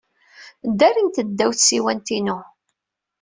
Ddarimt-d ddaw tsiwant-inu.